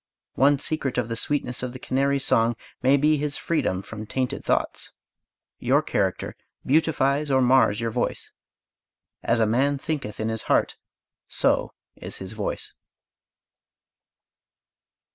One secret of the sweetness of the canary's song may be his freedom from tainted thoughts. Your character beautifies or mars your voice. As a man thinketh in his heart so is his voice.